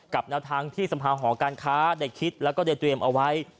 แนวทางที่สภาหอการค้าได้คิดแล้วก็ได้เตรียมเอาไว้